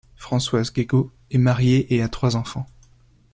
Françoise Guégot est mariée et a trois enfants.